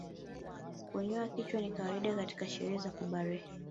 Kunyoa kichwa ni kawaida katika sherehe za kubalehe